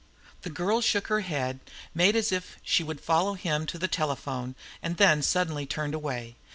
The girl shook her head, made as if she would follow him to the telephone, and then suddenly turned away.